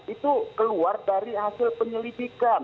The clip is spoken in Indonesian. itu keluar dari hasil penyelidikan